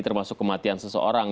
termasuk kematian seseorang